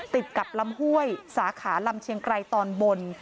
ติดกับลำห้วยสาขาลำเชียงไกรตอนบน